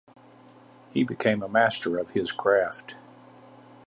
He became a master of his craft.